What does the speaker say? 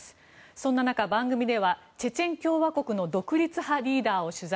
そんな中、番組ではチェチェン共和国の独立派リーダーを取材。